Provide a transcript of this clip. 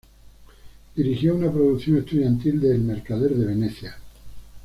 Dirigió una producción estudiantil de El mercader de Venecia.